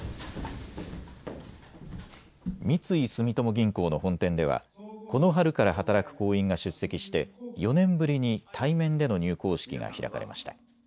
三井住友銀行の本店ではこの春から働く行員が出席して４年ぶりに対面での入行式が開かれました。